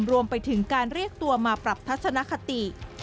รวมไปถึงการเรียกตัวมาปรับทัศนคติ